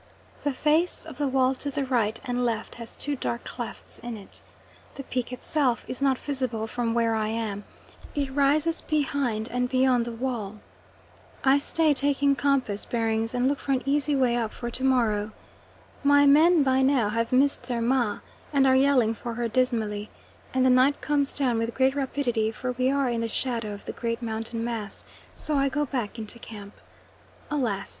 The face of the wall to the right and left has two dark clefts in it. The peak itself is not visible from where I am; it rises behind and beyond the wall. I stay taking compass bearings and look for an easy way up for to morrow. My men, by now, have missed their "ma" and are yelling for her dismally, and the night comes down with great rapidity for we are in the shadow of the great mountain mass, so I go back into camp. Alas!